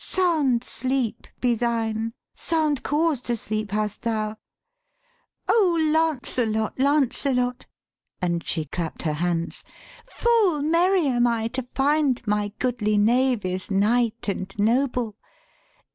1 Sound sleep be thine ! sound cause to sleep hast thou. Lancelot, Lancelot' and she clapt her hands 1 Full merry am I to find my goodly knave Is knight and noble.